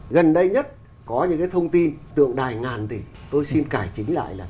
gần đây nhất có những cái thông tin tượng đài ngàn thì tôi xin cải chính lại là